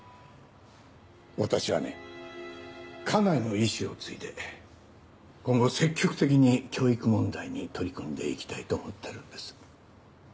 私はね家内の遺志を継いで今後積極的に教育問題に取り組んでいきたいと思ってるんです。